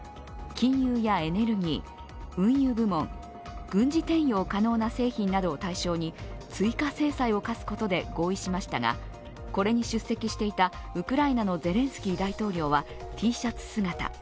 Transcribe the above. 金融やエネルギー、運輸部門、軍事転用可能な製品などを対象に追加制裁を科すことで合意しましたが、これに出席していたウクライナのゼレンスキー大統領はＴシャツ姿。